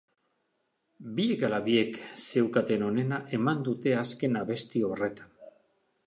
Biek ala biek zeukaten onena eman dute azken abesti horretan.